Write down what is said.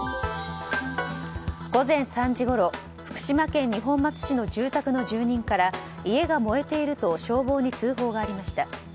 午前３時ごろ福島県二本松市の住宅の住人から家が燃えていると消防に通報がありました。